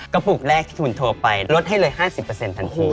ปลูกแรกที่คุณโทรไปลดให้เลย๕๐ทันที